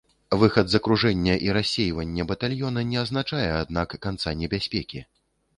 Выхад з акружэння і рассейванне батальёна не азначае, аднак, канца небяспекі.